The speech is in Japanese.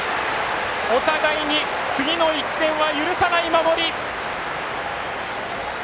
お互いに次の１点は許さない守り！